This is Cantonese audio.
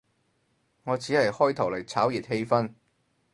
我只係開頭嚟炒熱氣氛